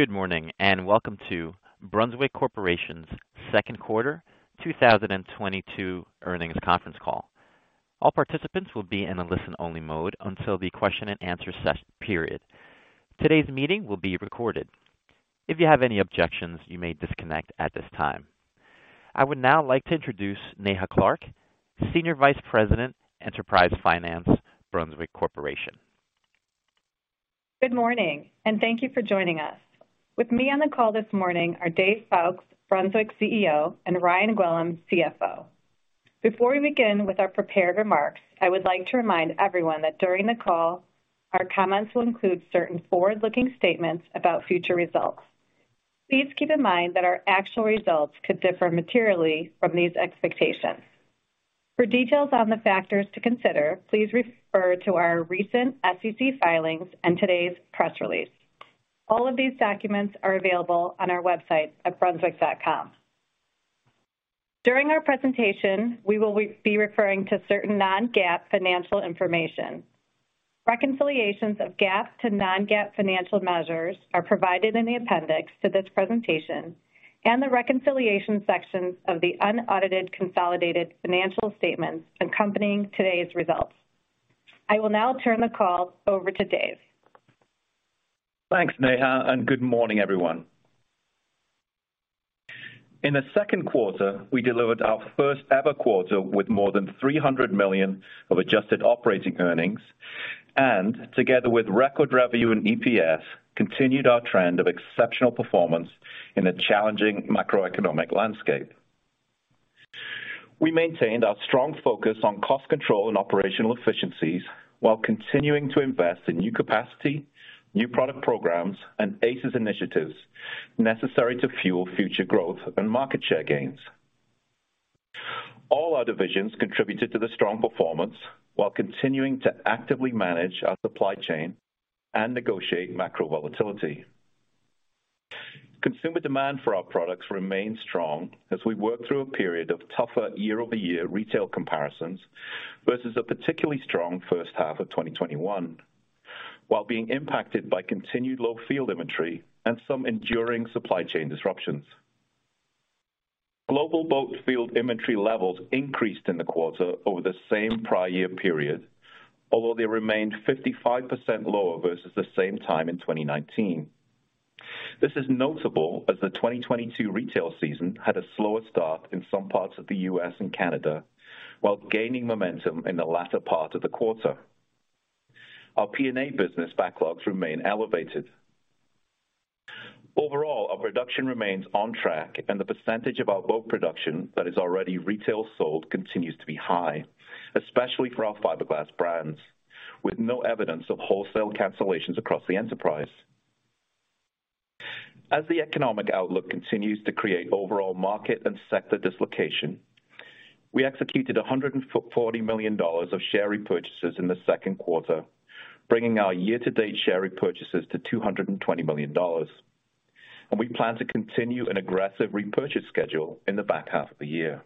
Good morning, and welcome to Brunswick Corporation's second quarter 2022 earnings conference call. All participants will be in a listen-only mode until the question and answer period. Today's meeting will be recorded. If you have any objections, you may disconnect at this time. I would now like to introduce Neha Clark, Senior Vice President, Enterprise Finance, Brunswick Corporation. Good morning, and thank you for joining us. With me on the call this morning are Dave Foulkes, Brunswick CEO, and Ryan Gwillim, CFO. Before we begin with our prepared remarks, I would like to remind everyone that during the call, our comments will include certain forward-looking statements about future results. Please keep in mind that our actual results could differ materially from these expectations. For details on the factors to consider, please refer to our recent SEC filings and today's press release. All of these documents are available on our website at brunswick.com. During our presentation, we will be referring to certain non-GAAP financial information. Reconciliations of GAAP to non-GAAP financial measures are provided in the appendix to this presentation and the reconciliation sections of the unaudited consolidated financial statements accompanying today's results. I will now turn the call over to Dave. Thanks, Neha, and good morning, everyone. In the second quarter, we delivered our first-ever quarter with more than $300 million of adjusted operating earnings and together with record revenue and EPS, continued our trend of exceptional performance in a challenging macroeconomic landscape. We maintained our strong focus on cost control and operational efficiencies while continuing to invest in new capacity, new product programs, and ACES initiatives necessary to fuel future growth and market share gains. All our divisions contributed to the strong performance while continuing to actively manage our supply chain and negotiate macro volatility. Consumer demand for our products remained strong as we worked through a period of tougher year-over-year retail comparisons versus a particularly strong first half of 2021, while being impacted by continued low field inventory and some enduring supply chain disruptions. Global boat field inventory levels increased in the quarter over the same prior year period, although they remained 55% lower versus the same time in 2019. This is notable as the 2022 retail season had a slower start in some parts of the U.S. and Canada while gaining momentum in the latter part of the quarter. Our P&A business backlogs remain elevated. Overall, our production remains on track and the percentage of our boat production that is already retail sold continues to be high, especially for our fiberglass brands, with no evidence of wholesale cancellations across the enterprise. As the economic outlook continues to create overall market and sector dislocation, we executed $140 million of share repurchases in the second quarter, bringing our year-to-date share repurchases to $220 million. We plan to continue an aggressive repurchase schedule in the back half of the year.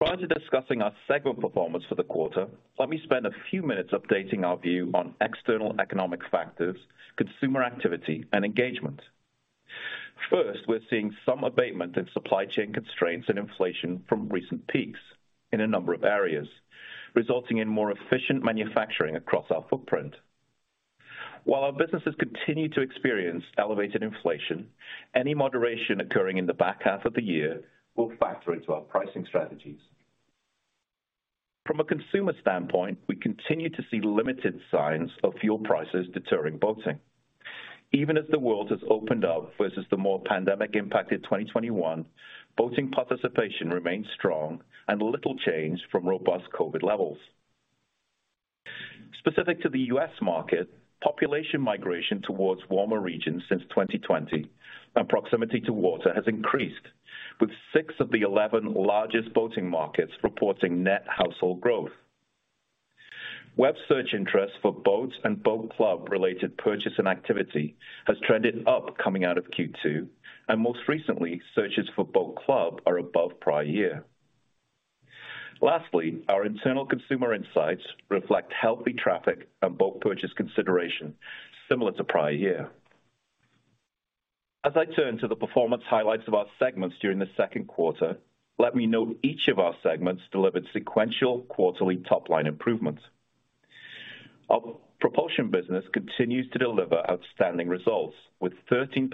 Prior to discussing our segment performance for the quarter, let me spend a few minutes updating our view on external economic factors, consumer activity and engagement. First, we're seeing some abatement in supply chain constraints and inflation from recent peaks in a number of areas, resulting in more efficient manufacturing across our footprint. While our businesses continue to experience elevated inflation, any moderation occurring in the back half of the year will factor into our pricing strategies. From a consumer standpoint, we continue to see limited signs of fuel prices deterring boating. Even as the world has opened up versus the more pandemic impacted 2021, boating participation remains strong and little change from robust COVID levels. Specific to the U.S. market, population migration towards warmer regions since 2020 and proximity to water has increased, with six of the 11 largest boating markets reporting net household growth. Web search interest for boats and boat club-related purchase and activity has trended up coming out of Q2, and most recently, searches for boat club are above prior year. Lastly, our internal consumer insights reflect healthy traffic and boat purchase consideration similar to prior year. As I turn to the performance highlights of our segments during the second quarter, let me note each of our segments delivered sequential quarterly top-line improvements. Our propulsion business continues to deliver outstanding results with 13%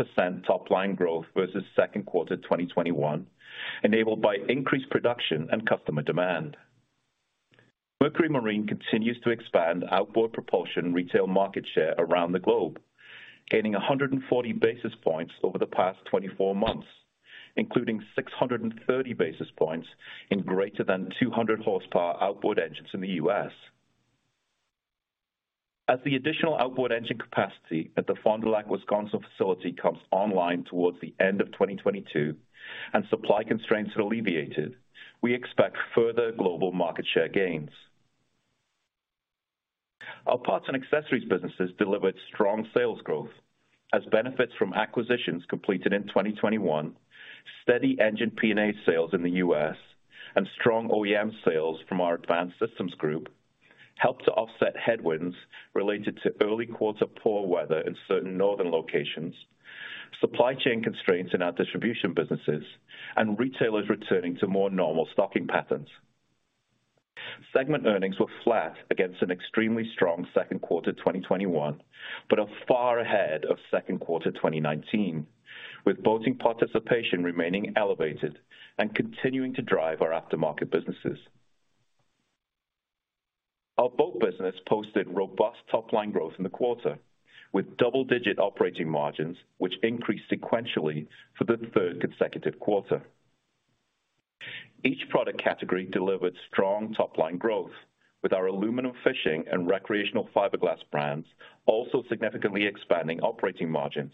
top-line growth versus second quarter 2021, enabled by increased production and customer demand. Mercury Marine continues to expand outboard propulsion retail market share around the globe, gaining 140 basis points over the past 24 months, including 630 basis points in greater than 200 horsepower outboard engines in the U.S. As the additional outboard engine capacity at the Fond du Lac, Wisconsin facility comes online towards the end of 2022 and supply constraints are alleviated, we expect further global market share gains. Our parts and accessories businesses delivered strong sales growth as benefits from acquisitions completed in 2021. Steady engine P&A sales in the U.S. and strong OEM sales from our Advanced Systems Group helped to offset headwinds related to early quarter poor weather in certain northern locations, supply chain constraints in our distribution businesses, and retailers returning to more normal stocking patterns. Segment earnings were flat against an extremely strong second quarter 2021, but are far ahead of second quarter 2019, with boating participation remaining elevated and continuing to drive our aftermarket businesses. Our boat business posted robust top line growth in the quarter, with double-digit operating margins, which increased sequentially for the third consecutive quarter. Each product category delivered strong top line growth with our aluminum fishing and recreational fiberglass brands also significantly expanding operating margins.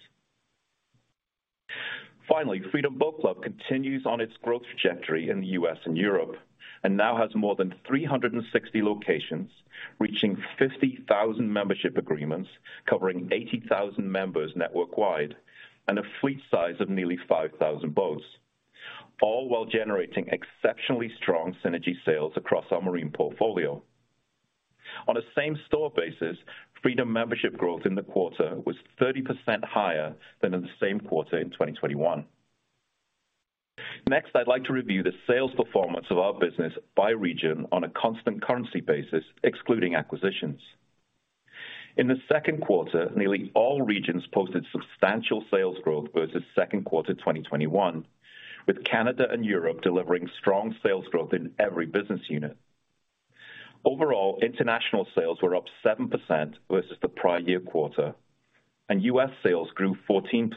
Finally, Freedom Boat Club continues on its growth trajectory in the U.S. and Europe and now has more than 360 locations, reaching 50,000 membership agreements covering 80,000 members network wide and a fleet size of nearly 5,000 boats, all while generating exceptionally strong synergy sales across our marine portfolio. On a same store basis, Freedom membership growth in the quarter was 30% higher than in the same quarter in 2021. Next, I'd like to review the sales performance of our business by region on a constant currency basis, excluding acquisitions. In the second quarter, nearly all regions posted substantial sales growth versus second quarter 2021, with Canada and Europe delivering strong sales growth in every business unit. Overall, international sales were up 7% versus the prior year quarter, and U.S. sales grew 14%.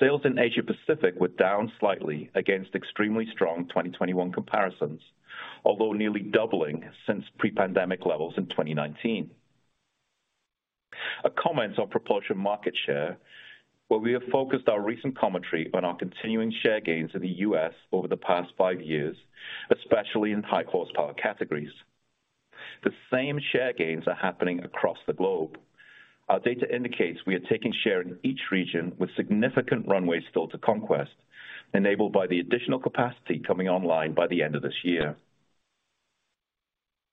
Sales in Asia Pacific were down slightly against extremely strong 2021 comparisons, although nearly doubling since pre-pandemic levels in 2019. A comment on propulsion market share, where we have focused our recent commentary on our continuing share gains in the U.S. over the past five years, especially in high horsepower categories. The same share gains are happening across the globe. Our data indicates we are taking share in each region with significant runways still to conquest, enabled by the additional capacity coming online by the end of this year.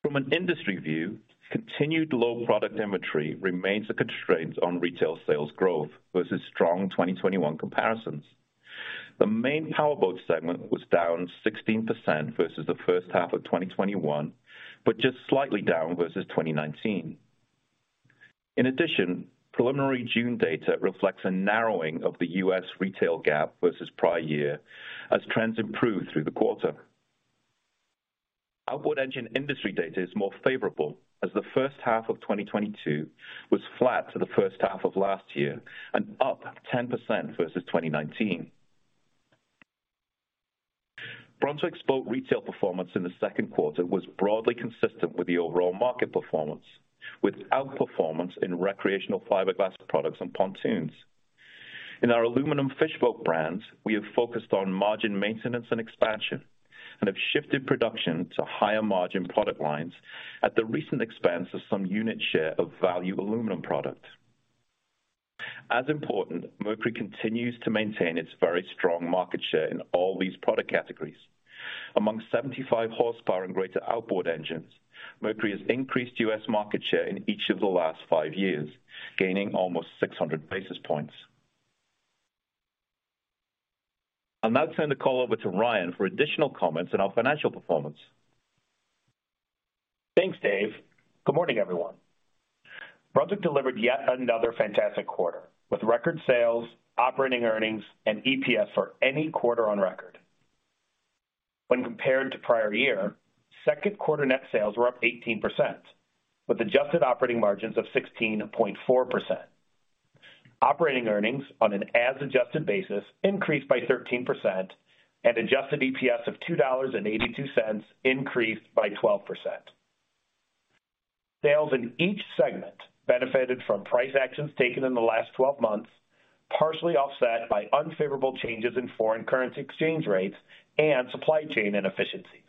From an industry view, continued low product inventory remains a constraint on retail sales growth versus strong 2021 comparisons. The main powerboat segment was down 16% versus the first half of 2021, but just slightly down versus 2019. In addition, preliminary June data reflects a narrowing of the U.S. retail gap versus prior year as trends improve through the quarter. Outboard engine industry data is more favorable as the first half of 2022 was flat to the first half of last year and up 10% versus 2019. Brunswick's boat retail performance in the second quarter was broadly consistent with the overall market performance, with outperformance in recreational fiberglass products and pontoons. In our aluminum fish boat brands, we have focused on margin maintenance and expansion and have shifted production to higher margin product lines at the recent expense of some unit share of value aluminum products. As important, Mercury continues to maintain its very strong market share in all these product categories. Among 75 horsepower and greater outboard engines, Mercury has increased U.S. market share in each of the last five years, gaining almost 600 basis points. I'll now turn the call over to Ryan for additional comments on our financial performance. Thanks, Dave. Good morning, everyone. Brunswick delivered yet another fantastic quarter with record sales, operating earnings, and EPS for any quarter on record. When compared to prior year, second quarter net sales were up 18% with adjusted operating margins of 16.4%. Operating earnings on an as adjusted basis increased by 13% and adjusted EPS of $2.82 increased by 12%. Sales in each segment benefited from price actions taken in the last 12 months, partially offset by unfavorable changes in foreign currency exchange rates and supply chain inefficiencies.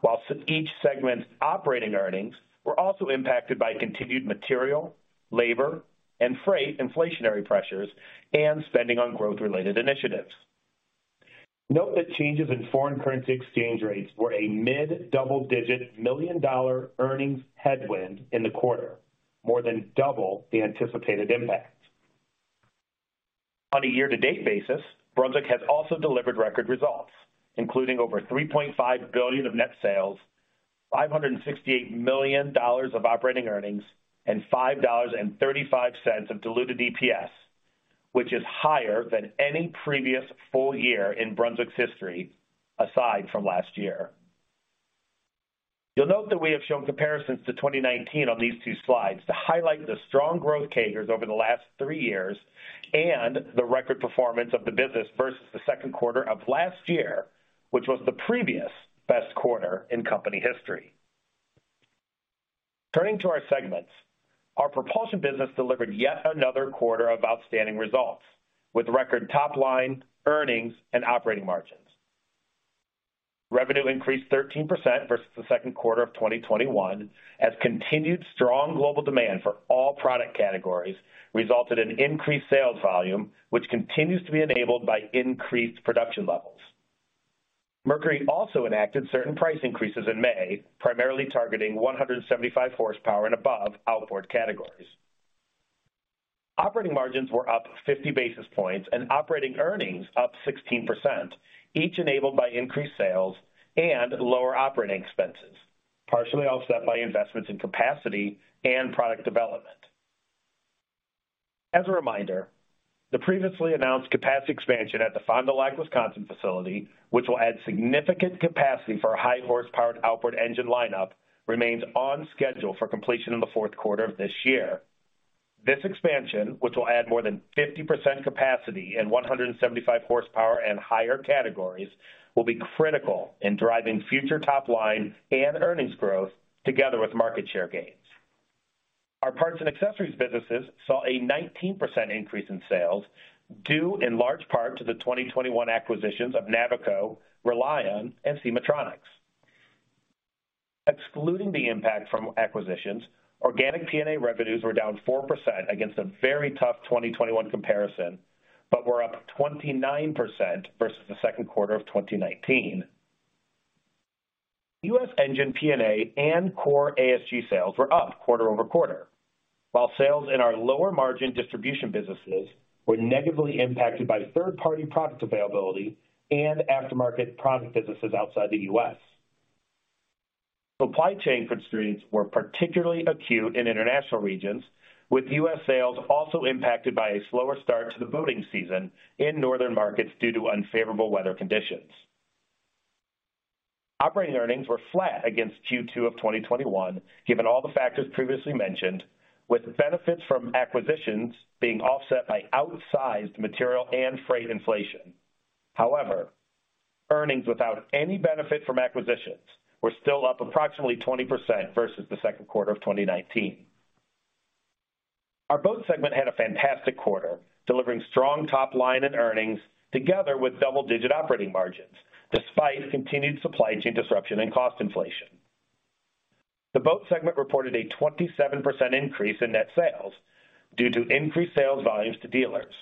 While each segment's operating earnings were also impacted by continued material, labor, and freight inflationary pressures and spending on growth related initiatives. Note that changes in foreign currency exchange rates were a mid double-digit million-dollar earnings headwind in the quarter, more than double the anticipated impact. On a year-to-date basis, Brunswick has also delivered record results, including over $3.5 billion of net sales, $568 million of operating earnings, and $5.35 of diluted EPS, which is higher than any previous full year in Brunswick's history, aside from last year. You'll note that we have shown comparisons to 2019 on these two slides to highlight the strong growth [CAGR] over the last three years and the record performance of the business versus the second quarter of last year, which was the previous best quarter in company history. Turning to our segments, our propulsion business delivered yet another quarter of outstanding results with record top line earnings and operating margins. Revenue increased 13% versus the second quarter of 2021 as continued strong global demand for all product categories resulted in increased sales volume, which continues to be enabled by increased production levels. Mercury also enacted certain price increases in May, primarily targeting 175 horsepower and above outboard categories. Operating margins were up 50 basis points and operating earnings up 16%, each enabled by increased sales and lower operating expenses, partially offset by investments in capacity and product development. As a reminder, the previously announced capacity expansion at the Fond du Lac, Wisconsin facility, which will add significant capacity for our high horsepower outboard engine lineup, remains on schedule for completion in the fourth quarter of this year. This expansion, which will add more than 50% capacity in 175 horsepower and higher categories, will be critical in driving future top line and earnings growth together with market share gains. Our parts and accessories businesses saw a 19% increase in sales, due in large part to the 2021 acquisitions of Navico, RELiON, and SemahTronix. Excluding the impact from acquisitions, organic P&A revenues were down 4% against a very tough 2021 comparison, but were up 29% versus the second quarter of 2019. U.S. engine P&A and core ASG sales were up quarter-over-quarter, while sales in our lower margin distribution businesses were negatively impacted by third-party product availability and aftermarket product businesses outside the U.S. Supply chain constraints were particularly acute in international regions, with U.S. sales also impacted by a slower start to the boating season in northern markets due to unfavorable weather conditions. Operating earnings were flat against Q2 of 2021, given all the factors previously mentioned, with benefits from acquisitions being offset by outsized material and freight inflation. However, earnings without any benefit from acquisitions were still up approximately 20% versus the second quarter of 2019. Our Boat segment had a fantastic quarter, delivering strong top line and earnings together with double-digit operating margins, despite continued supply chain disruption and cost inflation. The Boat segment reported a 27% increase in net sales due to increased sales volumes to dealers.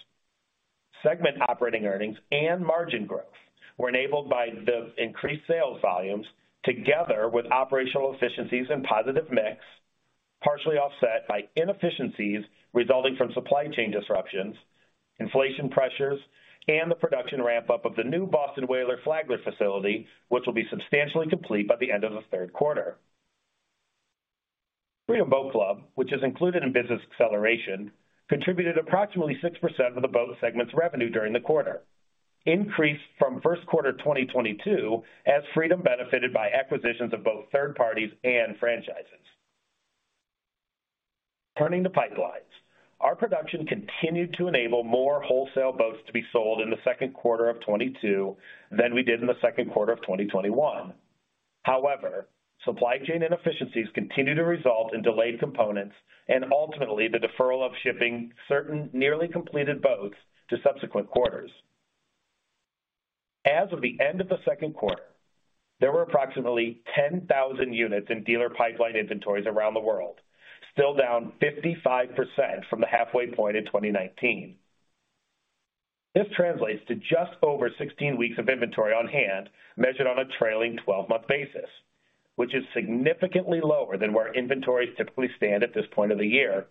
Segment operating earnings and margin growth were enabled by the increased sales volumes together with operational efficiencies and positive mix, partially offset by inefficiencies resulting from supply chain disruptions, inflation pressures, and the production ramp-up of the new Boston Whaler Flagler facility, which will be substantially complete by the end of the third quarter. Freedom Boat Club, which is included in Business Acceleration, contributed approximately 6% of the Boat segment's revenue during the quarter, increased from first quarter 2022 as Freedom benefited by acquisitions of both third parties and franchises. Turning to pipelines. Our production continued to enable more wholesale boats to be sold in the second quarter of 2022 than we did in the second quarter of 2021. However, supply chain inefficiencies continue to result in delayed components and ultimately the deferral of shipping certain nearly completed boats to subsequent quarters. As of the end of the second quarter, there were approximately 10,000 units in dealer pipeline inventories around the world, still down 55% from the halfway point in 2019. This translates to just over 16 weeks of inventory on hand measured on a trailing 12-month basis, which is significantly lower than where inventories typically stand at this point of the year.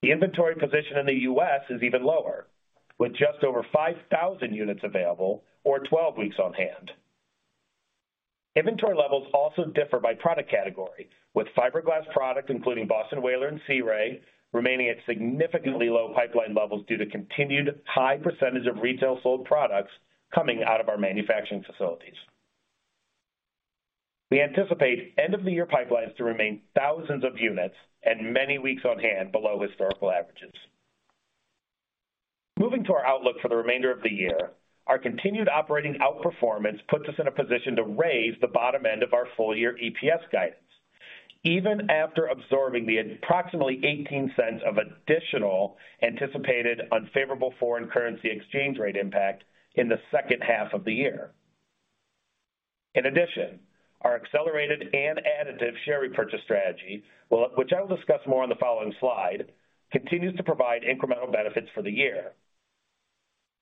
The inventory position in the U.S. is even lower, with just over 5,000 units available or 12 weeks on hand. Inventory levels also differ by product category, with fiberglass product, including Boston Whaler and Sea Ray, remaining at significantly low pipeline levels due to continued high percentage of retail sold products coming out of our manufacturing facilities. We anticipate end of the year pipelines to remain thousands of units and many weeks on hand below historical averages. Moving to our outlook for the remainder of the year. Our continued operating outperformance puts us in a position to raise the bottom end of our full year EPS guidance, even after absorbing the approximately $0.18 of additional anticipated unfavorable foreign currency exchange rate impact in the second half of the year. In addition, our accelerated and additive share repurchase strategy will, which I will discuss more on the following slide, continues to provide incremental benefits for the year.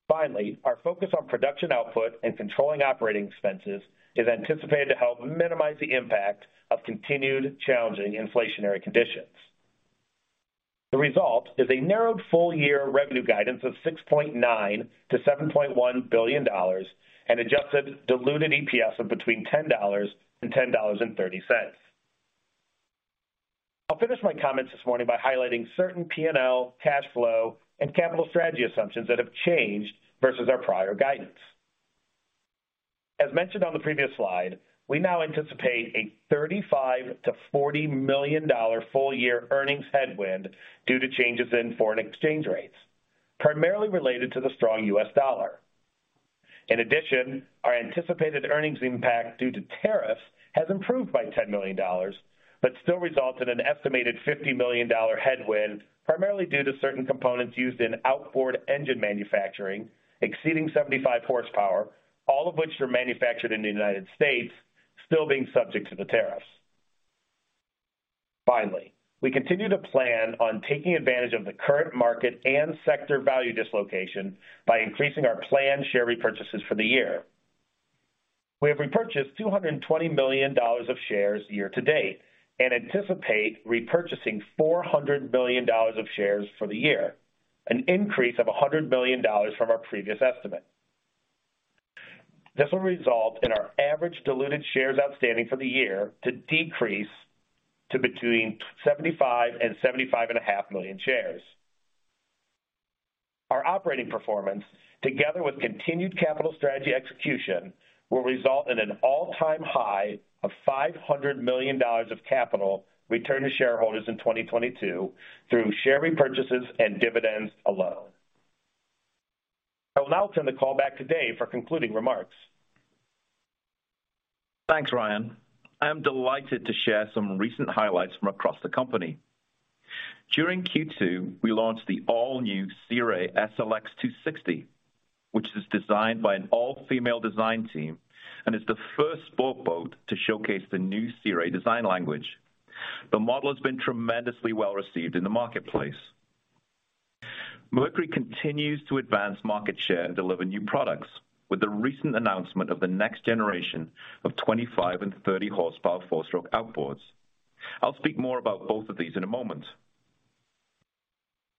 Finally, our focus on production output and controlling operating expenses is anticipated to help minimize the impact of continued challenging inflationary conditions. The result is a narrowed full year revenue guidance of $6.9 billion-$7.1 billion and adjusted diluted EPS of between $10 and $10.30. I'll finish my comments this morning by highlighting certain P&L, cash flow, and capital strategy assumptions that have changed versus our prior guidance. As mentioned on the previous slide, we now anticipate a $35 million-$40 million full-year earnings headwind due to changes in foreign exchange rates, primarily related to the strong U.S. dollar. In addition, our anticipated earnings impact due to tariffs has improved by $10 million. Still results in an estimated $50 million headwind, primarily due to certain components used in outboard engine manufacturing exceeding 75 horsepower, all of which are manufactured in the United States, still being subject to the tariffs. Finally, we continue to plan on taking advantage of the current market and sector value dislocation by increasing our planned share repurchases for the year. We have repurchased $220 million of shares year-to-date and anticipate repurchasing $400 million of shares for the year, an increase of $100 million from our previous estimate. This will result in our average diluted shares outstanding for the year to decrease to between 75 million and 75.5 million shares. Our operating performance, together with continued capital strategy execution, will result in an all-time high of $500 million of capital returned to shareholders in 2022 through share repurchases and dividends alone. I will now turn the call back to Dave for concluding remarks. Thanks, Ryan. I am delighted to share some recent highlights from across the company. During Q2, we launched the all-new Sea Ray SLX 260, which is designed by an all-female design team and is the first sport boat to showcase the new Sea Ray design language. The model has been tremendously well received in the marketplace. Mercury continues to advance market share and deliver new products with the recent announcement of the next generation of 25 and 30 horsepower four-stroke outboards. I'll speak more about both of these in a moment.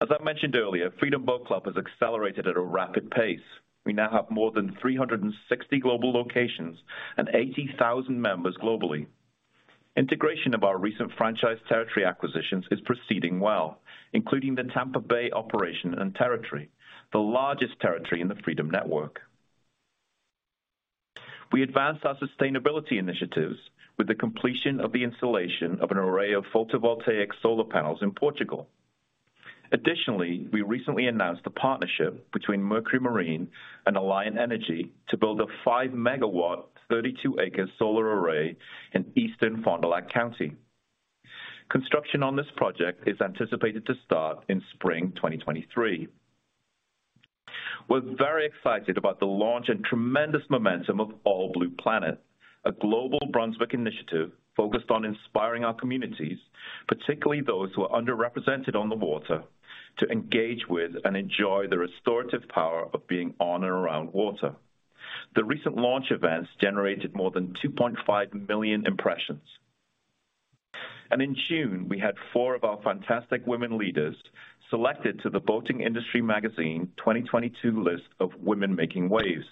As I mentioned earlier, Freedom Boat Club has accelerated at a rapid pace. We now have more than 360 global locations and 80,000 members globally. Integration of our recent franchise territory acquisitions is proceeding well, including the Tampa Bay operation and territory, the largest territory in the Freedom network. We advanced our sustainability initiatives with the completion of the installation of an array of photovoltaic solar panels in Portugal. Additionally, we recently announced a partnership between Mercury Marine and Alliant Energy to build a 5-MW 32-acre solar array in eastern Fond du Lac County. Construction on this project is anticipated to start in spring 2023. We're very excited about the launch and tremendous momentum of All Blue Planet, a global Brunswick initiative focused on inspiring our communities, particularly those who are underrepresented on the water, to engage with and enjoy the restorative power of being on and around water. The recent launch events generated more than 2.5 million impressions. In June, we had four of our fantastic women leaders selected to the Boating Industry magazine 2022 list of Women Making Waves,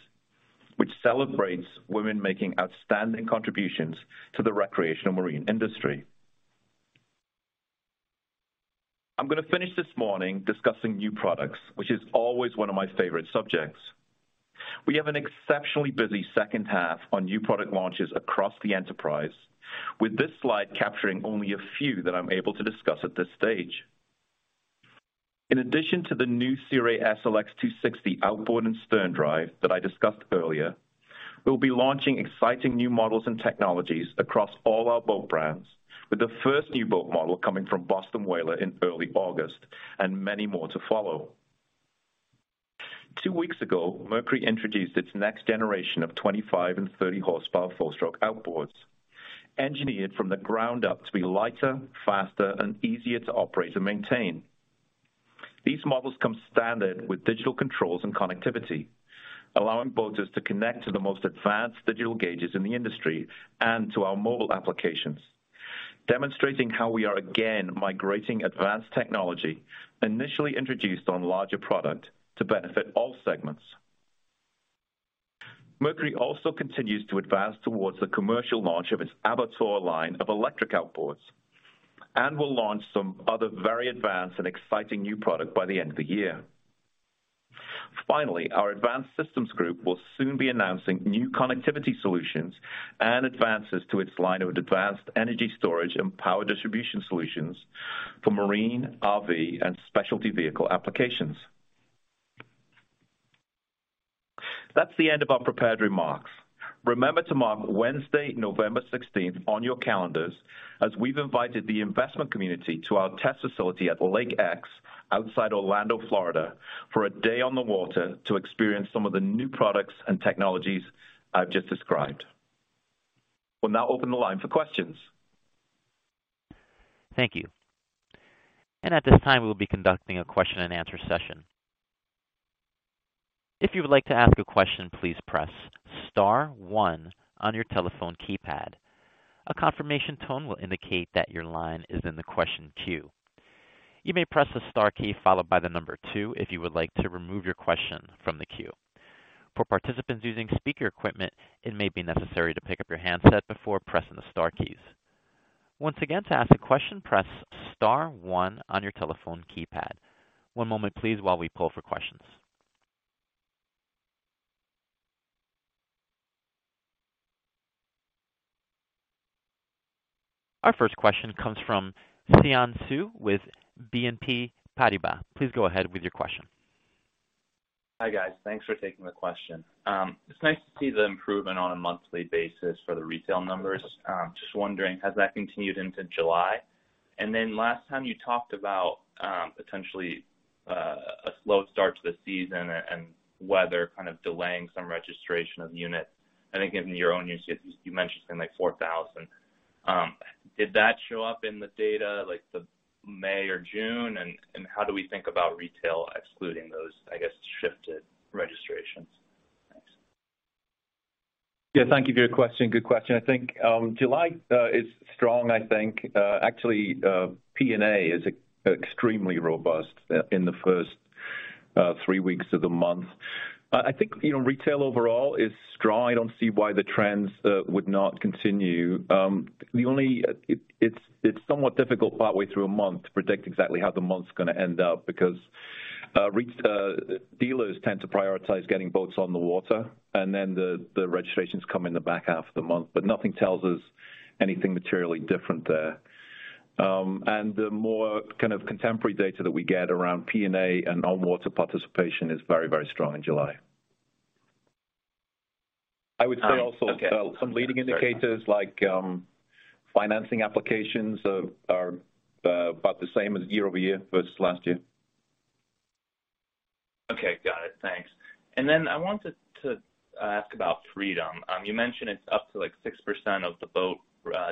which celebrates women making outstanding contributions to the recreational marine industry. I'm going to finish this morning discussing new products, which is always one of my favorite subjects. We have an exceptionally busy second half on new product launches across the enterprise, with this slide capturing only a few that I'm able to discuss at this stage. In addition to the new Sea Ray SLX 260 outboard and stern drive that I discussed earlier, we'll be launching exciting new models and technologies across all our boat brands, with the first new boat model coming from Boston Whaler in early August and many more to follow. Two weeks ago, Mercury introduced its next generation of 25 and 30 horsepower four-stroke outboards, engineered from the ground up to be lighter, faster, and easier to operate and maintain. These models come standard with digital controls and connectivity, allowing boaters to connect to the most advanced digital gauges in the industry and to our mobile applications, demonstrating how we are again migrating advanced technology initially introduced on larger product to benefit all segments. Mercury also continues to advance towards the commercial launch of its Avator line of electric outboards and will launch some other very advanced and exciting new product by the end of the year. Finally, our Advanced Systems Group will soon be announcing new connectivity solutions and advances to its line of advanced energy storage and power distribution solutions for marine, RV, and specialty vehicle applications. That's the end of our prepared remarks. Remember to mark Wednesday, November 16th on your calendars as we've invited the investment community to our test facility at Lake X outside Orlando, Florida, for a day on the water to experience some of the new products and technologies I've just described. We'll now open the line for questions. Thank you. At this time, we'll be conducting a question and answer session. If you would like to ask a question, please press star one on your telephone keypad. A confirmation tone will indicate that your line is in the question queue. You may press the star key followed by the number two if you would like to remove your question from the queue. For participants using speaker equipment, it may be necessary to pick up your handset before pressing the star keys. Once again, to ask a question, press star one on your telephone keypad. One moment please while we poll for questions. Our first question comes from Xian Siew with BNP Paribas. Please go ahead with your question. Hi guys. Thanks for taking the question. It's nice to see the improvement on a monthly basis for the retail numbers. Just wondering, has that continued into July? Last time you talked about potentially a slow start to the season and weather kind of delaying some registration of units. I think in your own usage you mentioned something like 4,000. Did that show up in the data like the May or June? How do we think about retail excluding those, I guess, shifted registrations? Thanks. Yeah, thank you for your question. Good question. I think July is strong, I think. Actually, P&A is extremely robust in the first three weeks of the month. I think, you know, retail overall is strong. I don't see why the trends would not continue. It's somewhat difficult partway through a month to predict exactly how the month's gonna end up because dealers tend to prioritize getting boats on the water, and then the registrations come in the back half of the month, but nothing tells us anything materially different there. The more kind of contemporary data that we get around P&A and on-water participation is very, very strong in July. I would say also... Okay. Some leading indicators like financing applications are about the same as year-over-year versus last year. Okay. Got it. Thanks. I wanted to ask about Freedom. You mentioned it's up to like 6% of the boat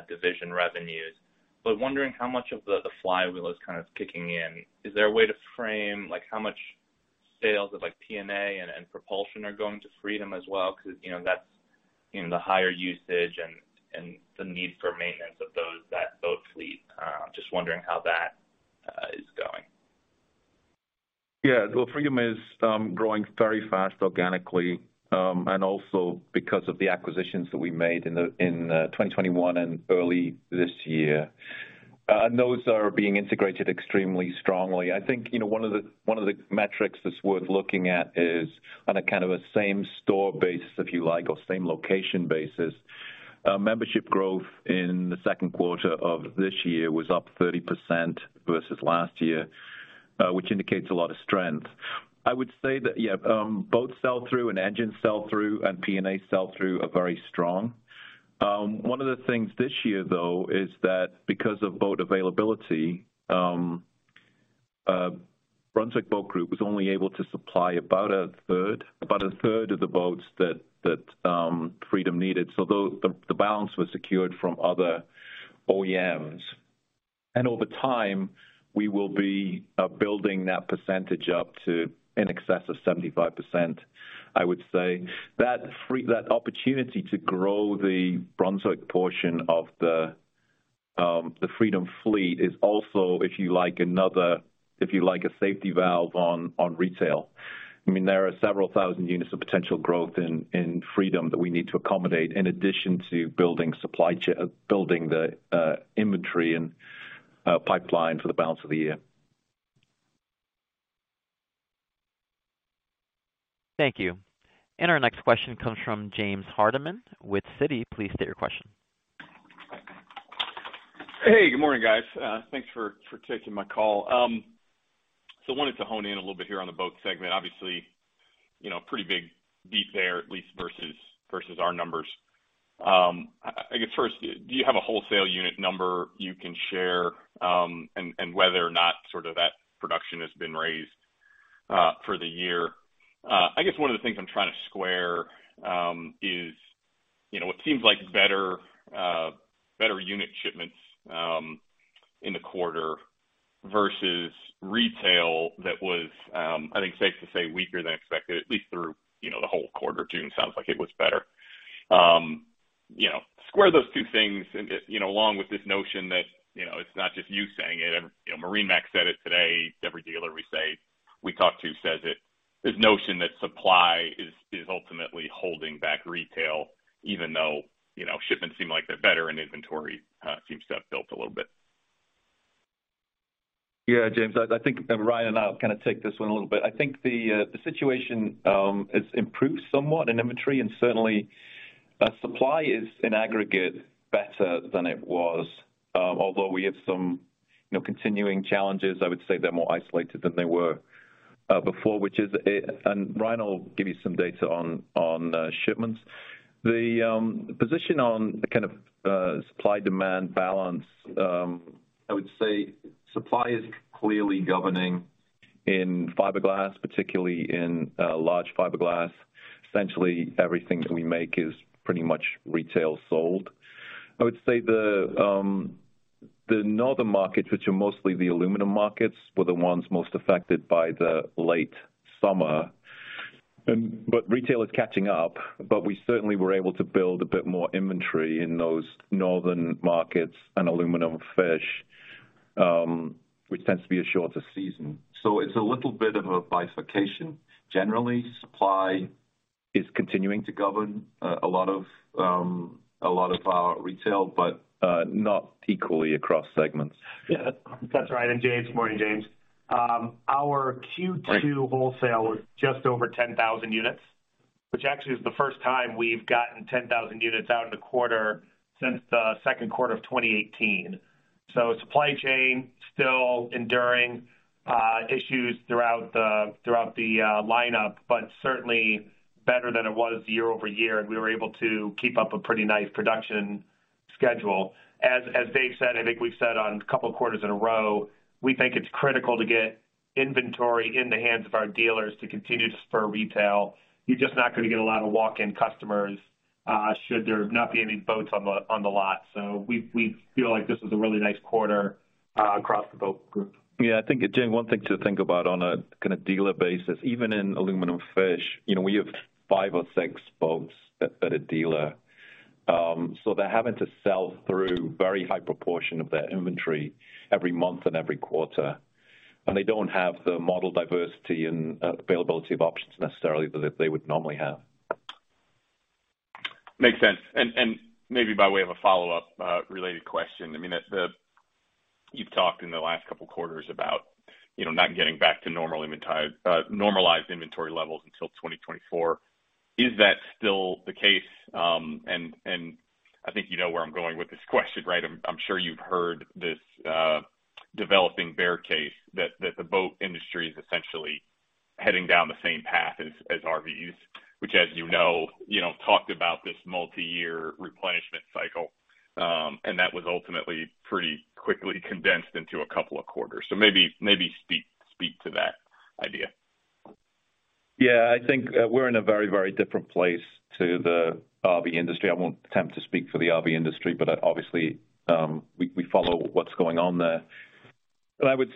division revenues, wondering how much of the flywheel is kind of kicking in. Is there a way to frame, like, how much sales of like P&A and propulsion are going to Freedom as well? Because, you know, that's in the higher usage and the need for maintenance of that boat fleet. Just wondering how that is going. Yeah. Well, Freedom is growing very fast organically, and also because of the acquisitions that we made in 2021 and early this year. Those are being integrated extremely strongly. I think, you know, one of the metrics that's worth looking at is on a kind of a same store basis, if you like, or same location basis. Membership growth in the second quarter of this year was up 30% versus last year, which indicates a lot of strength. I would say that, yeah, boat sell-through and engine sell-through and P&A sell-through are very strong. One of the things this year, though, is that because of boat availability, Brunswick Boat Group was only able to supply about a third of the boats that Freedom needed. Though the balance was secured from other OEMs. Over time, we will be building that percentage up to in excess of 75%. I would say that opportunity to grow the Brunswick portion of the Freedom fleet is also, if you like, another, if you like, a safety valve on retail. I mean, there are several thousand units of potential growth in Freedom that we need to accommodate in addition to building the inventory and pipeline for the balance of the year. Thank you. Our next question comes from James Hardiman with Citi. Please state your question. Hey, good morning, guys. Thanks for taking my call. Wanted to hone in a little bit here on the Boat segment. Obviously, you know, pretty big beat there, at least versus our numbers. I guess first, do you have a wholesale unit number you can share, and whether or not sort of that production has been raised for the year? I guess one of the things I'm trying to square is, you know, what seems like better unit shipments in the quarter versus retail that was, I think safe to say, weaker than expected, at least through the whole quarter. June sounds like it was better. You know, square those two things and, you know, along with this notion that, you know, it's not just you saying it. You know, MarineMax said it today. Every dealer we talk to says it. This notion that supply is ultimately holding back retail even though, you know, shipments seem like they're better and inventory seems to have built a little bit. Yeah, James. I think Ryan and I will kind of take this one a little bit. I think the situation has improved somewhat in inventory and certainly supply is in aggregate better than it was. Although we have some, you know, continuing challenges, I would say they're more isolated than they were before, which is. Ryan will give you some data on shipments. The position on the kind of supply-demand balance, I would say supply is clearly governing in fiberglass, particularly in large fiberglass. Essentially, everything that we make is pretty much retail sold. I would say the northern markets, which are mostly the aluminum markets, were the ones most affected by the late summer. Retail is catching up, but we certainly were able to build a bit more inventory in those northern markets and aluminum fish, which tends to be a shorter season. It's a little bit of a bifurcation. Generally, supply is continuing to govern a lot of our retail, but not equally across segments. Yeah. That's right. James. Morning, James. Our Q2 wholesale was just over 10,000 units. Which actually is the first time we've gotten 10,000 units out in a quarter since the second quarter of 2018. Supply chain still enduring issues throughout the lineup, but certainly better than it was year-over-year, and we were able to keep up a pretty nice production schedule. As Dave said, I think we've said on a couple of quarters in a row, we think it's critical to get inventory in the hands of our dealers to continue to spur retail. You're just not going to get a lot of walk-in customers should there not be any boats on the lot. We feel like this was a really nice quarter across the boat group. Yeah, I think, Jim, one thing to think about on a kinda dealer basis, even in aluminum fish, you know, we have five or six boats at a dealer. So they're having to sell through very high proportion of their inventory every month and every quarter. They don't have the model diversity and availability of options necessarily that they would normally have. Makes sense. Maybe by way of a follow-up, related question. I mean, you've talked in the last couple of quarters about, you know, not getting back to normal normalized inventory levels until 2024. Is that still the case? I think you know where I'm going with this question, right? I'm sure you've heard this developing bear case that the boat industry is essentially heading down the same path as RVs, which, as you know, talked about this multi-year replenishment cycle. That was ultimately pretty quickly condensed into a couple of quarters. Maybe speak to that idea. Yeah. I think we're in a very, very different place to the RV industry. I won't attempt to speak for the RV industry, but obviously we follow what's going on there. I mean,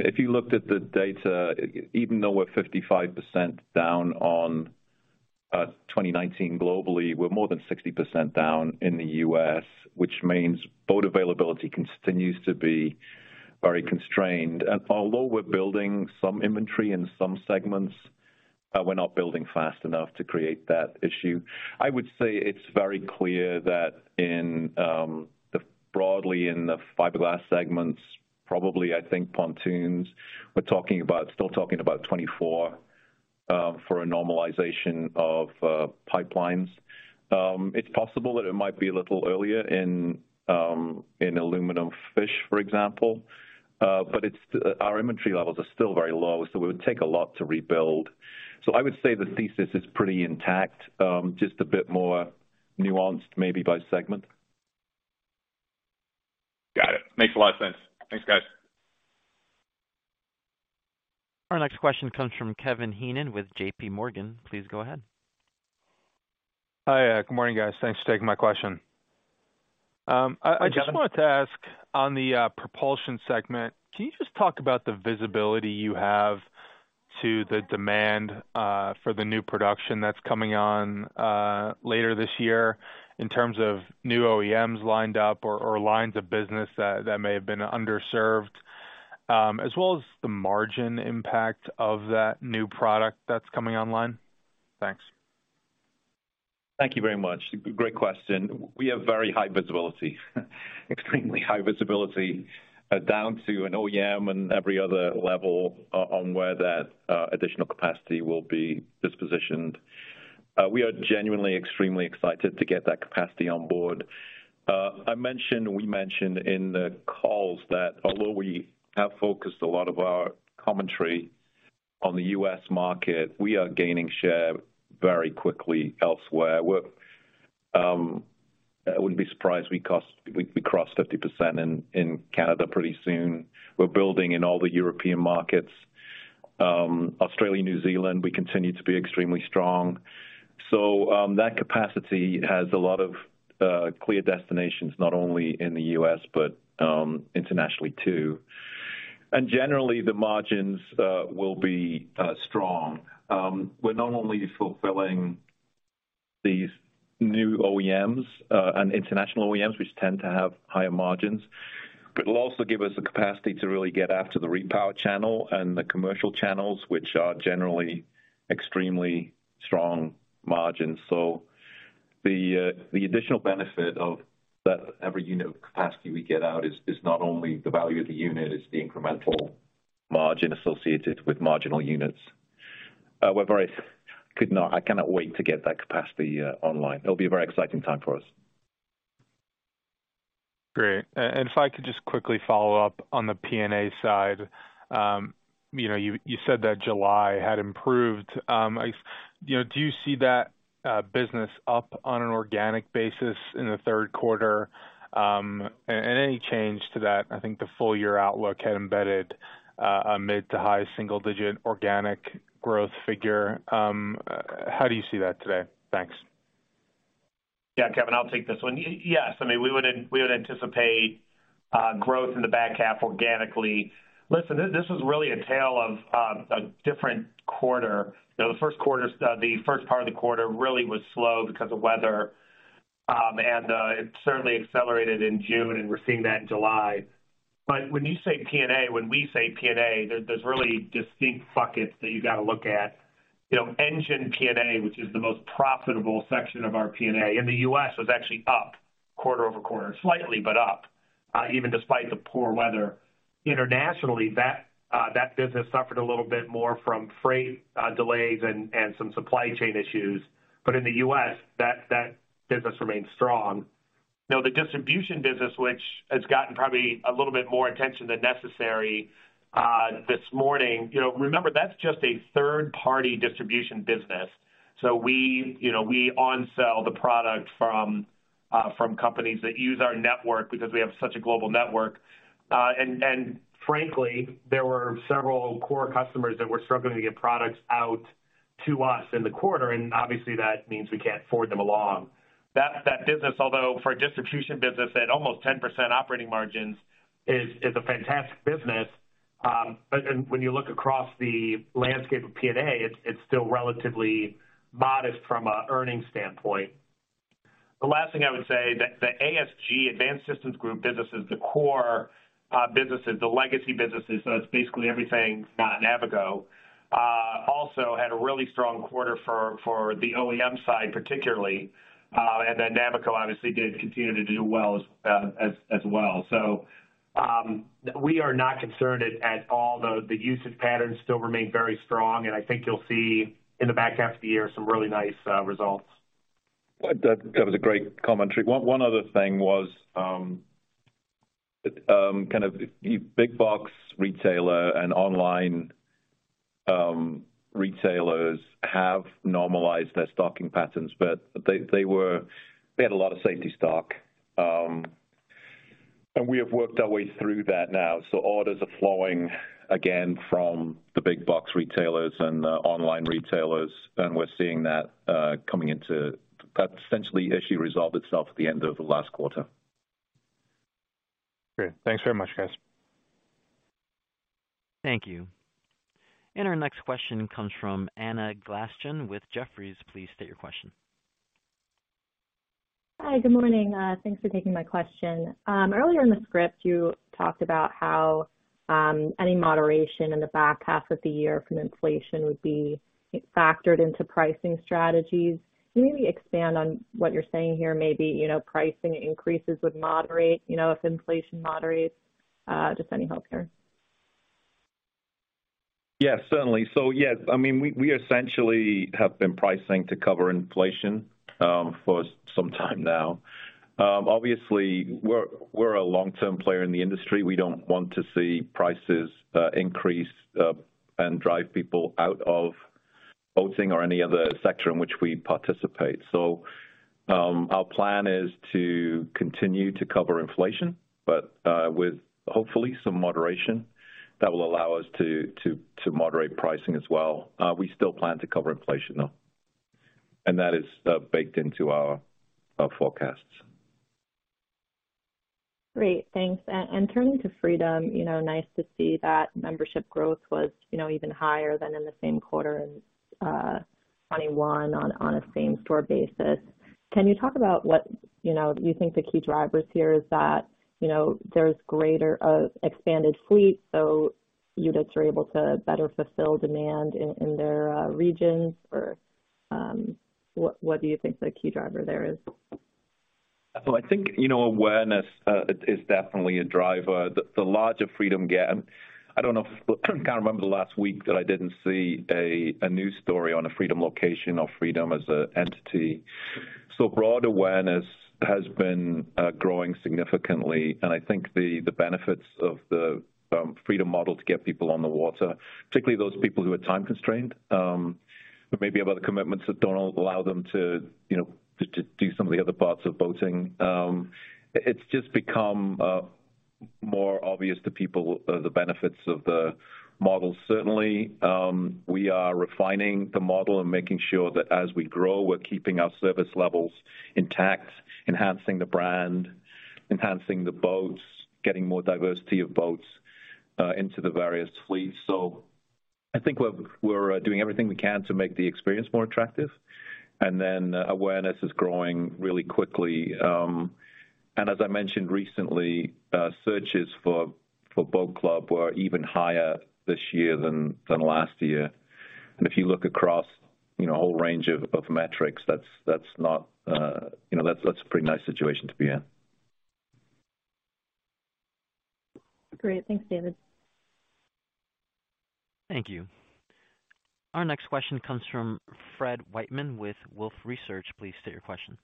if you looked at the data, even though we're 55% down on 2019 globally, we're more than 60% down in the U.S., which means boat availability continues to be very constrained. Although we're building some inventory in some segments, we're not building fast enough to create that issue. I would say it's very clear that in the broadly in the fiberglass segments, probably I think pontoons, still talking about 2024 for a normalization of pipelines. It's possible that it might be a little earlier in aluminum fish, for example. It's our inventory levels are still very low, so it would take a lot to rebuild. I would say the thesis is pretty intact, just a bit more nuanced, maybe by segment. Got it. Makes a lot of sense. Thanks, guys. Our next question comes from Kevin Heenan with JPMorgan. Please go ahead. Hi. Good morning, guys. Thanks for taking my question. Hi, Kevin. Wanted to ask on the propulsion segment, can you just talk about the visibility you have to the demand for the new production that's coming on later this year in terms of new OEMs lined up or lines of business that may have been underserved, as well as the margin impact of that new product that's coming online? Thanks. Thank you very much. Great question. We have very high visibility. Extremely high visibility down to an OEM and every other level on where that additional capacity will be dispositioned. We are genuinely extremely excited to get that capacity on board. We mentioned in the calls that although we have focused a lot of our commentary on the U.S. market, we are gaining share very quickly elsewhere. I wouldn't be surprised we cross 50% in Canada pretty soon. We're building in all the European markets. Australia, New Zealand, we continue to be extremely strong. That capacity has a lot of clear destinations, not only in the U.S., but internationally too. Generally, the margins will be strong. We're not only fulfilling these new OEMs and international OEMs, which tend to have higher margins, but it'll also give us the capacity to really get after the repower channel and the commercial channels, which are generally extremely strong margins. The additional benefit of that every unit of capacity we get out is not only the value of the unit, it's the incremental margin associated with marginal units. I cannot wait to get that capacity online. It'll be a very exciting time for us. Great. If I could just quickly follow up on the P&A side. You said that July had improved. Do you see that business up on an organic basis in the third quarter? And any change to that, I think the full year outlook had embedded a mid to high single-digit organic growth figure. How do you see that today? Thanks. Yeah, Kevin, I'll take this one. Yes. I mean, we would anticipate growth in the back half organically. Listen, this is really a tale of a different quarter. The first quarter, the first part of the quarter really was slow because of weather. It certainly accelerated in June, and we're seeing that in July. But when you say P&A, when we say P&A, there's really distinct buckets that you got to look at. You know, engine P&A, which is the most profitable section of our P&A in the U.S., was actually up quarter-over-quarter, slightly but up. Even despite the poor weather internationally, that business suffered a little bit more from freight delays and some supply chain issues. But in the U.S., that business remains strong. Now, the distribution business, which has gotten probably a little bit more attention than necessary, this morning. You know, remember, that's just a third-party distribution business. We, you know, we on-sell the product from companies that use our network because we have such a global network. And frankly, there were several core customers that were struggling to get products out to us in the quarter, and obviously that means we can't forward them along. That business, although for a distribution business at almost 10% operating margins is a fantastic business. When you look across the landscape of P&A, it's still relatively modest from an earnings standpoint. The last thing I would say that the ASG, Advanced Systems Group businesses, the core businesses, the legacy businesses, so it's basically everything, Navico also had a really strong quarter for the OEM side particularly. Then Navico obviously did continue to do well as well. We are not concerned at all. The usage patterns still remain very strong, and I think you'll see in the back half of the year some really nice results. That was a great commentary. One other thing was kind of big box retailer and online retailers have normalized their stocking patterns, but they had a lot of safety stock. We have worked our way through that now. Orders are flowing again from the big box retailers and online retailers, and we're seeing that. That essentially, the issue resolved itself at the end of the last quarter. Great. Thanks very much, guys. Thank you. Our next question comes from Anna Glaessgen with Jefferies. Please state your question. Hi. Good morning. Thanks for taking my question. Earlier in the script, you talked about how any moderation in the back half of the year from inflation would be factored into pricing strategies. Can you maybe expand on what you're saying here? Maybe, you know, pricing increases would moderate, you know, if inflation moderates, just any help there? Yeah, certainly. Yeah, I mean, we essentially have been pricing to cover inflation for some time now. Obviously we're a long-term player in the industry. We don't want to see prices increase and drive people out of boating or any other sector in which we participate. Our plan is to continue to cover inflation, but with hopefully some moderation that will allow us to moderate pricing as well. We still plan to cover inflation, though, and that is baked into our forecasts. Great. Thanks. Turning to Freedom, you know, nice to see that membership growth was, you know, even higher than in the same quarter in 2021 on a same store basis. Can you talk about what, you know, you think the key drivers here is that, you know, there's greater expanded fleet, so units are able to better fulfill demand in their regions or what do you think the key driver there is? I think, you know, awareness is definitely a driver. I don't know, I can't remember the last week that I didn't see a news story on a Freedom location or Freedom as an entity. Broad awareness has been growing significantly. I think the benefits of the Freedom model to get people on the water, particularly those people who are time constrained, who may have commitments that don't allow them to, you know, to do some of the other parts of boating. It's just become more obvious to people the benefits of the model. Certainly, we are refining the model and making sure that as we grow, we're keeping our service levels intact, enhancing the brand, enhancing the boats, getting more diversity of boats into the various fleets. I think we're doing everything we can to make the experience more attractive. Awareness is growing really quickly. As I mentioned recently, searches for Boat Club were even higher this year than last year. If you look across you know a whole range of metrics, that's not you know that's a pretty nice situation to be in. Great. Thanks, David. Thank you. Our next question comes from Fred Wightman with Wolfe Research. Please state your question.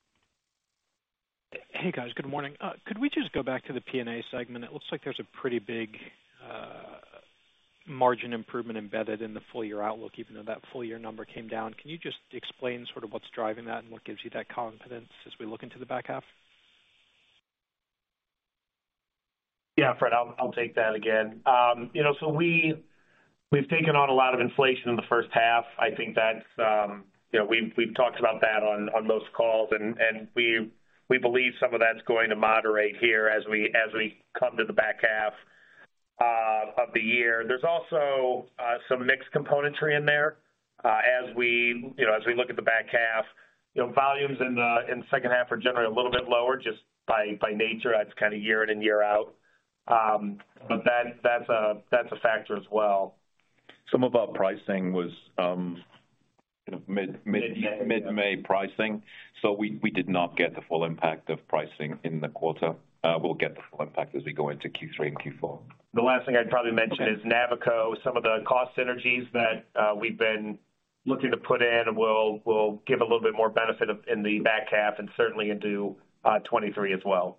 Hey, guys. Good morning. Could we just go back to the P&A segment? It looks like there's a pretty big margin improvement embedded in the full-year outlook, even though that full-year number came down. Can you just explain sort of what's driving that and what gives you that confidence as we look into the back half? Yeah, Fred, I'll take that again. You know, we've taken on a lot of inflation in the first half. I think that's, you know, we've talked about that on those calls and we believe some of that's going to moderate here as we come to the back half of the year. There's also some mixed componentry in there as we look at the back half. You know, volumes in the second half are generally a little bit lower just by nature. That's kind of year in and year out. That's a factor as well. Some of our pricing was. Kind of mid. Mid-May. Mid-May pricing. We did not get the full impact of pricing in the quarter. We'll get the full impact as we go into Q3 and Q4. The last thing I'd probably mention... Okay... Is Navico. Some of the cost synergies that we've been looking to put in will give a little bit more benefit in the back half and certainly into 2023 as well.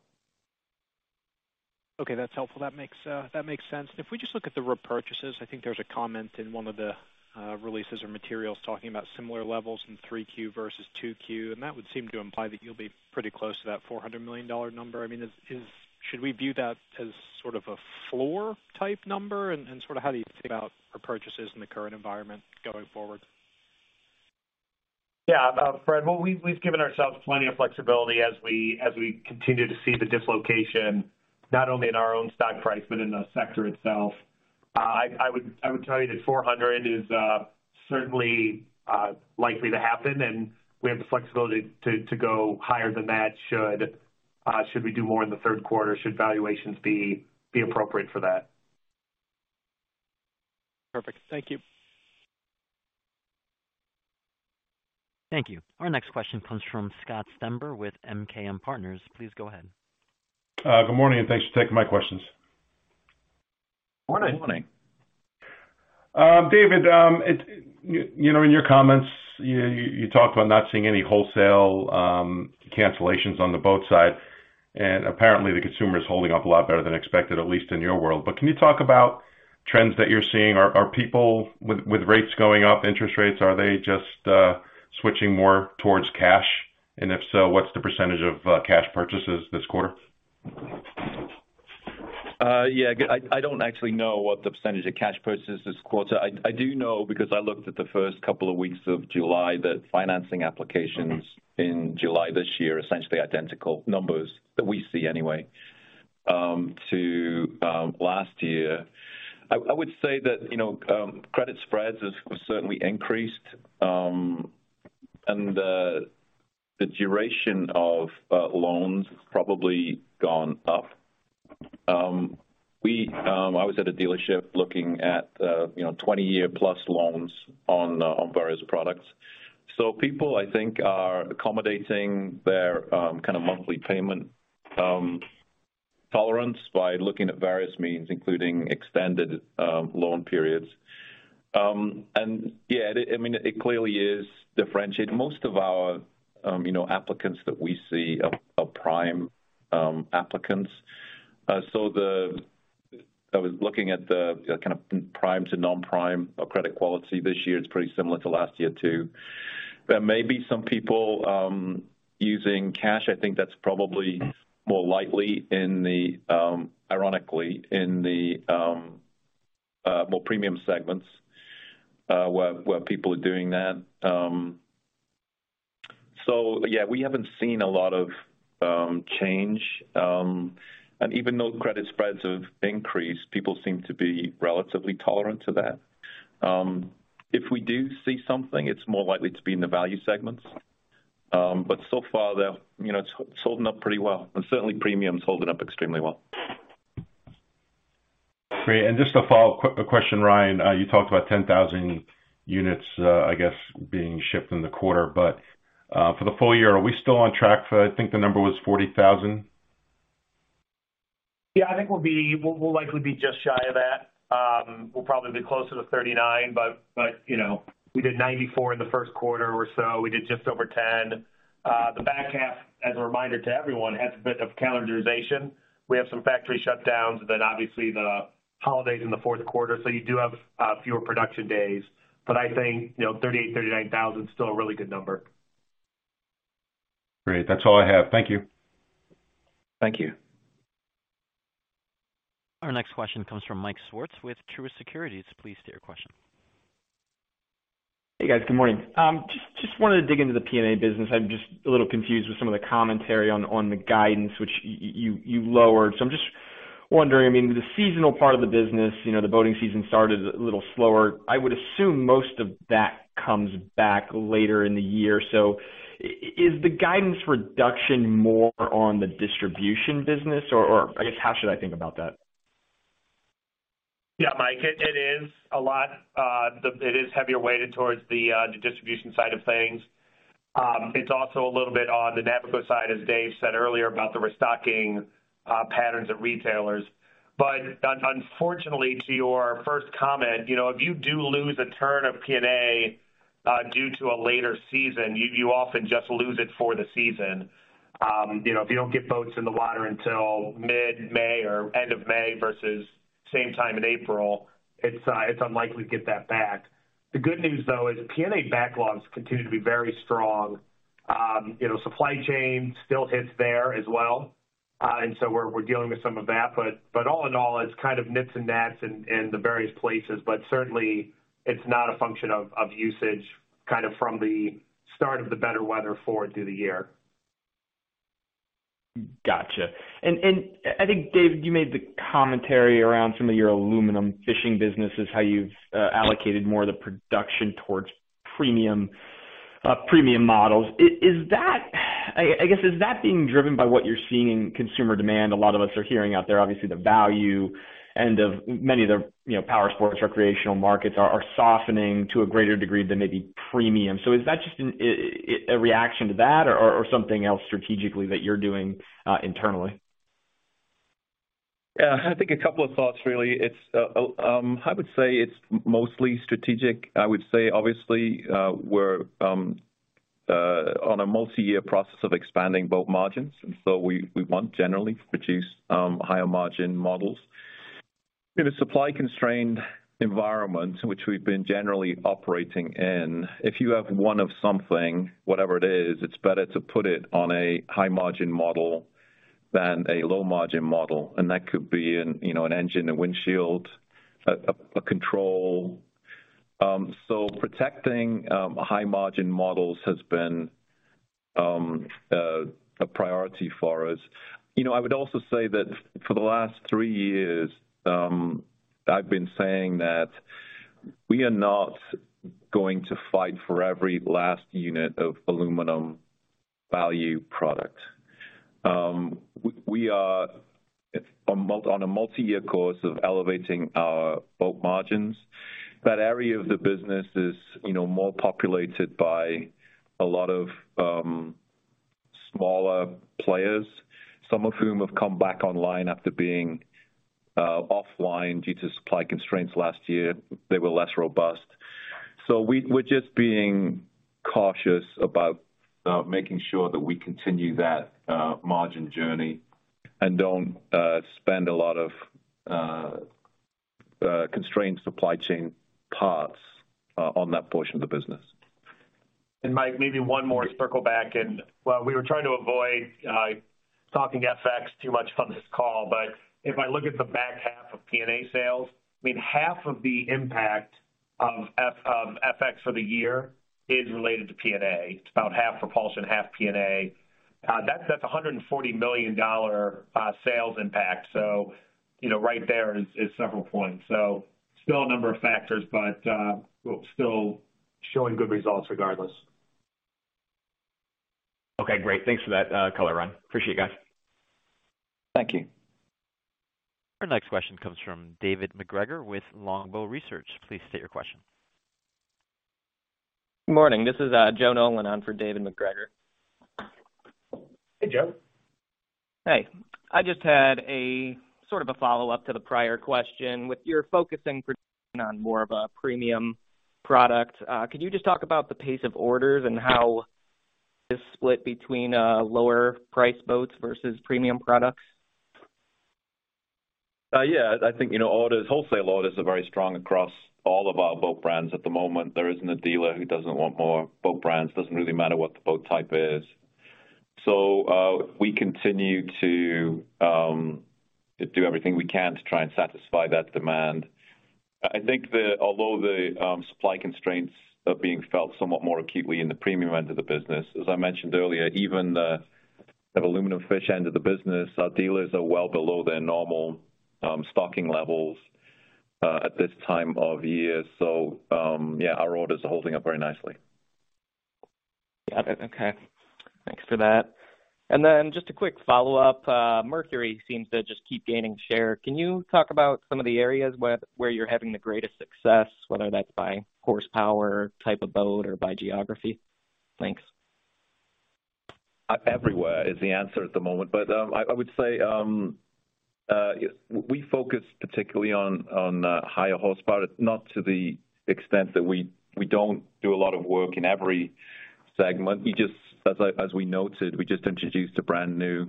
Okay. That's helpful. That makes sense. If we just look at the repurchases, I think there's a comment in one of the releases or materials talking about similar levels in 3Q versus 2Q, and that would seem to imply that you'll be pretty close to that $400 million number. I mean, should we view that as sort of a floor type number and sort of how do you think about repurchases in the current environment going forward? Yeah, Fred, well, we've given ourselves plenty of flexibility as we continue to see the dislocation, not only in our own stock price, but in the sector itself. I would tell you that $400 is certainly likely to happen, and we have the flexibility to go higher than that should we do more in the third quarter, should valuations be appropriate for that. Perfect. Thank you. Thank you. Our next question comes from Scott Stember with MKM Partners. Please go ahead. Good morning, and thanks for taking my questions. Morning. Morning. David, you know, in your comments, you talked about not seeing any wholesale cancellations on the Boat side, and apparently the consumer is holding up a lot better than expected, at least in your world. Can you talk about trends that you're seeing? Are people with rates going up, interest rates, are they just switching more towards cash? If so, what's the percentage of cash purchases this quarter? I don't actually know what the percentage of cash purchase this quarter. I do know because I looked at the first couple of weeks of July that financing applications in July this year, essentially identical numbers that we see anyway to last year. I would say that, you know, credit spreads have certainly increased, and the duration of loans probably gone up. I was at a dealership looking at, you know, 20-year+ loans on various products. People, I think are accommodating their kind of monthly payment tolerance by looking at various means, including extended loan periods. Yeah, it, I mean, it clearly is differentiated. Most of our, you know, applicants that we see are prime applicants. I was looking at the kind of prime to non-prime credit quality this year. It's pretty similar to last year, too. There may be some people using cash. I think that's probably more likely in the ironically in the more premium segments, where people are doing that. Yeah, we haven't seen a lot of change, and even though credit spreads have increased, people seem to be relatively tolerant to that. If we do see something, it's more likely to be in the value segments. So far they're, you know, it's holding up pretty well and certainly premium is holding up extremely well. Great. Just a follow-up question, Ryan. You talked about 10,000 units, I guess, being shipped in the quarter, but for the full year, are we still on track for, I think the number was 40,000? Yeah, I think we'll likely be just shy of that. We'll probably be closer to 39, but you know, we did 94 in the first quarter or so. We did just over 10. The back half, as a reminder to everyone, has a bit of calendarization. We have some factory shutdowns, then obviously the holidays in the fourth quarter. You do have fewer production days. I think, you know, 38,000-39,000 is still a really good number. Great. That's all I have. Thank you. Thank you. Our next question comes from Mike Swartz with Truist Securities. Please state your question. Hey, guys. Good morning. Just wanted to dig into the P&A business. I'm just a little confused with some of the commentary on the guidance which you lowered. I'm just wondering, I mean, the seasonal part of the business, you know, the boating season started a little slower. I would assume most of that comes back later in the year. Is the guidance reduction more on the distribution business or, I guess, how should I think about that? Yeah, Mike, it is a lot. It is heavily weighted towards the distribution side of things. It's also a little bit on the Navico side, as Dave said earlier, about the restocking patterns of retailers. Unfortunately, to your first comment, you know, if you do lose a turn of P&A due to a later season, you often just lose it for the season. You know, if you don't get boats in the water until mid-May or end of May versus same time in April, it's unlikely to get that back. The good news, though, is P&A backlogs continue to be very strong. You know, supply chain still hits there as well. And so we're dealing with some of that. All in all, it's kind of nips and tucks in the various places, but certainly it's not a function of usage, kind of from the start of the better weather forward through the year. Gotcha. I think, Dave, you made the commentary around some of your aluminum fishing businesses, how you've allocated more of the production towards premium models. I guess, is that being driven by what you're seeing in consumer demand? A lot of us are hearing out there, obviously, the value end of many of the, you know, power sports recreational markets are softening to a greater degree than maybe premium. Is that just a reaction to that or something else strategically that you're doing internally? Yeah. I think a couple of thoughts really. It's, I would say it's mostly strategic. I would say, obviously, we're on a multi-year process of expanding boat margins, and we want generally to produce higher margin models. In a supply-constrained environment, which we've been generally operating in, if you have one of something, whatever it is, it's better to put it on a high margin model than a low margin model, and that could be, you know, an engine, a windshield, a control. Protecting high margin models has been a priority for us. You know, I would also say that for the last three years, I've been saying that we are not going to fight for every last unit of aluminum value product. We are on a multi-year course of elevating our boat margins. That area of the business is, you know, more populated by a lot of, smaller players, some of whom have come back online after being, offline due to supply constraints last year. They were less robust. We're just being cautious about making sure that we continue that margin journey and don't spend a lot of constrained supply chain parts on that portion of the business. Mike, maybe one more to circle back. While we were trying to avoid talking FX too much on this call, but if I look at the back half of P&A sales, I mean, half of the impact of FX for the year is related to P&A. It's about half propulsion, half P&A. That's a $140 million sales impact. You know, right there is several points. Still a number of factors, but we're still showing good results regardless. Okay, great. Thanks for that, color, Ryan. Appreciate it, guys. Thank you. Our next question comes from David MacGregor with Longbow Research. Please state your question. Good morning. This is Joe Nolan on for David MacGregor. Hey, Joe. Hey. I just had a sort of a follow-up to the prior question. With your focusing production on more of a premium product, could you just talk about the pace of orders and how it is split between lower priced boats versus premium products? Yeah. I think, you know, orders, wholesale orders are very strong across all of our boat brands at the moment. There isn't a dealer who doesn't want more boat brands. Doesn't really matter what the boat type is. We continue to do everything we can to try and satisfy that demand. I think although the supply constraints are being felt somewhat more acutely in the premium end of the business, as I mentioned earlier, even the aluminum fish end of the business, our dealers are well below their normal stocking levels at this time of year. Our orders are holding up very nicely. Got it. Okay. Thanks for that. Just a quick follow-up. Mercury seems to just keep gaining share. Can you talk about some of the areas where you're having the greatest success, whether that's by horsepower, type of boat, or by geography? Thanks. Everywhere is the answer at the moment. I would say we focus particularly on higher horsepower, not to the extent that we don't do a lot of work in every segment. As we noted, we just introduced a brand new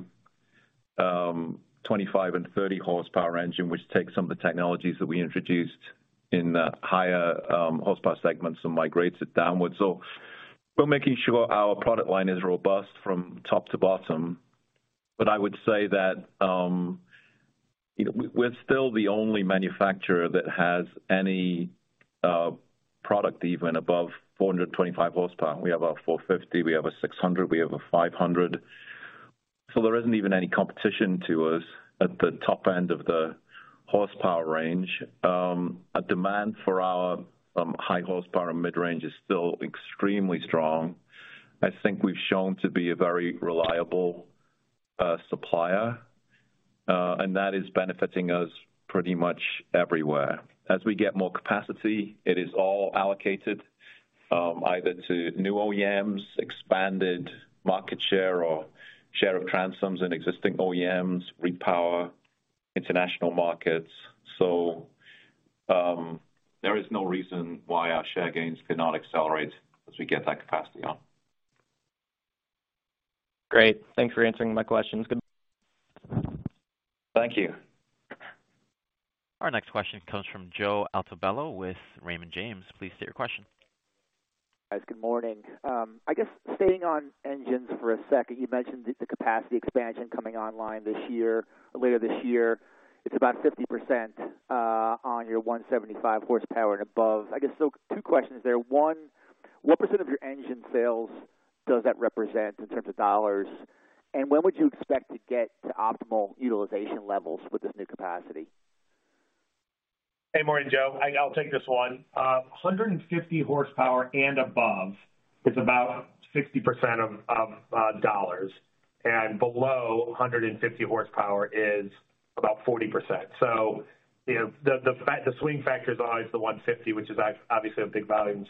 25 and 30 horsepower engine, which takes some of the technologies that we introduced in the higher horsepower segments and migrates it downwards. We're making sure our product line is robust from top to bottom. I would say that we're still the only manufacturer that has any product even above 425 horsepower. We have our 450, we have a 600, we have a 500. There isn't even any competition to us at the top end of the horsepower range. A demand for our high horsepower mid-range is still extremely strong. I think we've shown to be a very reliable supplier, and that is benefiting us pretty much everywhere. As we get more capacity, it is all allocated either to new OEMs, expanded market share or share of transoms in existing OEMs, repower international markets. There is no reason why our share gains cannot accelerate as we get that capacity on. Great. Thanks for answering my questions. Thank you. Our next question comes from Joe Altobello with Raymond James. Please state your question. Guys, good morning. I guess staying on engines for a second, you mentioned the capacity expansion coming online this year, later this year. It's about 50% on your 175 horsepower and above. I guess. So two questions there. One, what percent of your engine sales does that represent in terms of dollars? And when would you expect to get to optimal utilization levels with this new capacity? Hey, morning, Joe. I'll take this one. 150 horsepower and above is about 60% of dollars. Below 150 horsepower is about 40%. You know, the swing factor is always the 150, which is obviously a big volume.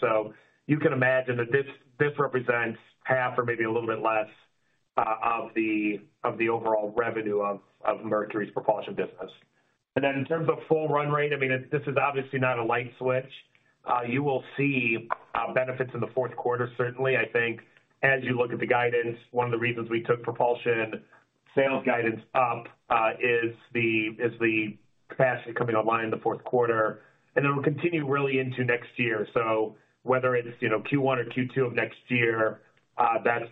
You can imagine that this represents half or maybe a little bit less of the overall revenue of Mercury's propulsion business. In terms of full run rate, I mean, this is obviously not a light switch. You will see benefits in the fourth quarter, certainly. I think as you look at the guidance, one of the reasons we took propulsion sales guidance up is the capacity coming online in the fourth quarter, and it'll continue really into next year. Whether it's, you know, Q1 or Q2 of next year,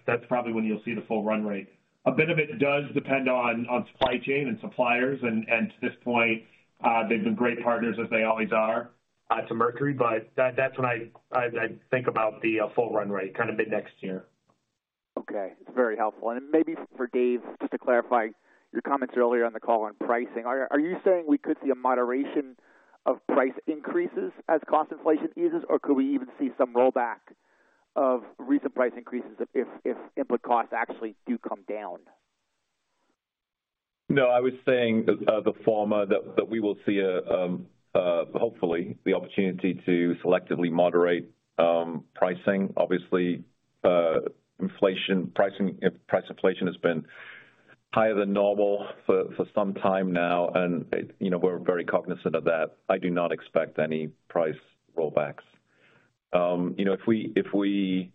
that's probably when you'll see the full run rate. A bit of it does depend on supply chain and suppliers. To this point, they've been great partners as they always are to Mercury. That's when I think about the full run rate, kind of mid-next year. Okay. It's very helpful. Maybe for Dave, just to clarify your comments earlier on the call on pricing. Are you saying we could see a moderation of price increases as cost inflation eases? Or could we even see some rollback of recent price increases if input costs actually do come down? No, I was saying the former, that we will see hopefully the opportunity to selectively moderate pricing. Obviously, inflation pricing, price inflation has been higher than normal for some time now. You know, we're very cognizant of that. I do not expect any price rollbacks. You know, if we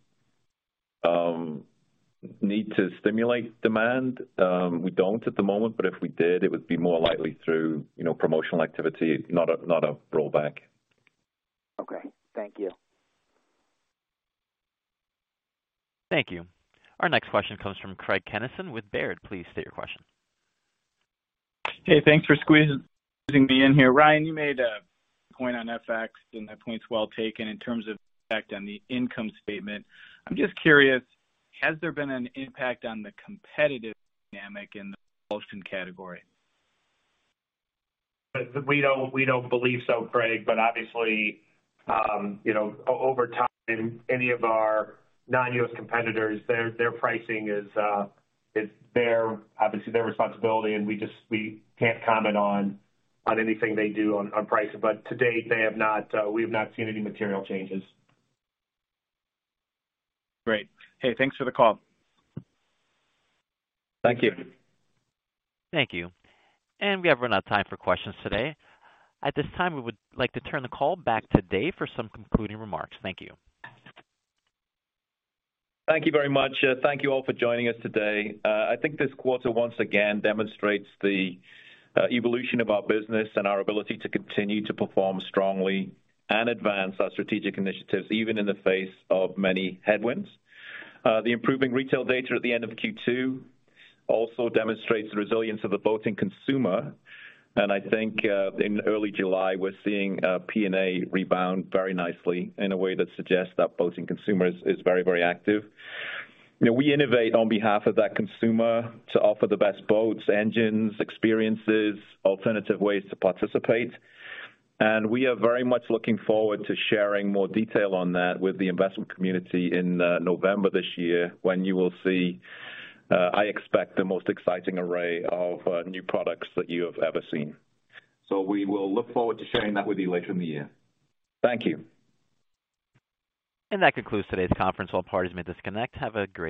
need to stimulate demand, we don't at the moment, but if we did, it would be more likely through, you know, promotional activity, not a rollback. Okay. Thank you. Thank you. Our next question comes from Craig Kennison with Baird. Please state your question. Hey, thanks for squeezing me in here. Ryan, you made a point on FX, and that point's well taken in terms of impact on the income statement. I'm just curious, has there been an impact on the competitive dynamic in the propulsion category? We don't believe so, Craig, but obviously, you know, over time, any of our non-U.S. competitors, their pricing is, it's their, obviously, their responsibility, and we just can't comment on anything they do on pricing. To date, we have not seen any material changes. Great. Hey, thanks for the call. Thank you. Thank you. We have run out of time for questions today. At this time, we would like to turn the call back to Dave for some concluding remarks. Thank you. Thank you very much. Thank you all for joining us today. I think this quarter once again demonstrates the evolution of our business and our ability to continue to perform strongly and advance our strategic initiatives, even in the face of many headwinds. The improving retail data at the end of Q2 also demonstrates the resilience of the boating consumer. I think in early July, we're seeing P&A rebound very nicely in a way that suggests that boating consumer is very active. You know, we innovate on behalf of that consumer to offer the best boats, engines, experiences, alternative ways to participate. We are very much looking forward to sharing more detail on that with the investment community in November this year, when you will see, I expect the most exciting array of new products that you have ever seen. We will look forward to sharing that with you later in the year. Thank you. That concludes today's conference. All parties may disconnect. Have a great day.